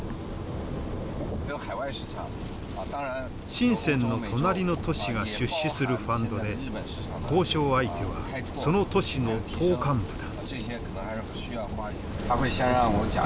深の隣の都市が出資するファンドで交渉相手はその都市の党幹部だ。